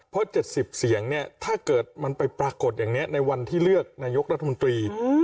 เพราะ๗๐เสียงเนี่ยถ้าเกิดมันไปปรากฏอย่างนี้ในวันที่เลือกนายกรัฐมนตรี